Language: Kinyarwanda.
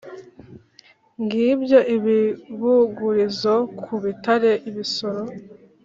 ngibyo ibibugurizo ku bitare (ibisoro),